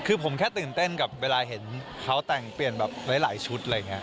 คือผมแค่ตื่นเต้นกับเวลาเห็นเขาแต่งเปลี่ยนแบบหลายชุดอะไรอย่างนี้